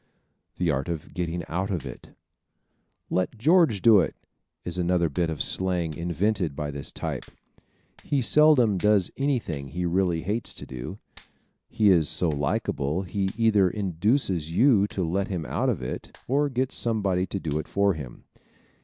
The Art of Getting Out Of It ¶ "Let George do it" is another bit of slang invented by this type. He seldom does anything he really hates to do. He is so likable he either induces you to let him out of it or gets somebody to do it for him.